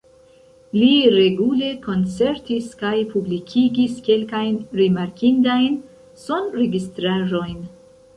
Li regule koncertis kaj publikigis kelkajn rimarkindajn sonregistraĵojn.